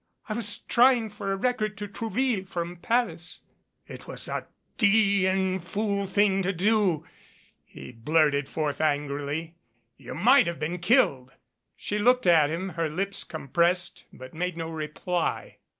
'I was try ing for a record to Trouville from Paris "It was a d n fool thing to do," he blurted forth angrily. "You might have been killed." She looked at him, her lips compressed, but made no reply.